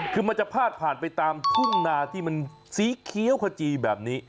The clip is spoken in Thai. คือมันจะพาดผ่านไปตามทุ่งนาที่มันสีเขียวขจีแบบนี้